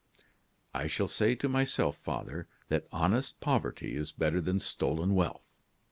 "I shall say to myself, father, that honest poverty is better than stolen wealth.